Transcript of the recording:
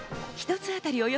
１つあたり